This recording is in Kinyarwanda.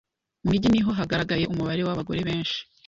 Mu mijyi niho hagaragaye umubare w’abagore benshi